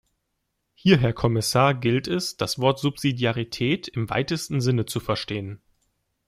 Hier, Herr Kommissar, gilt es, das Wort Subsidiarität im weitesten Sinne zu verstehen.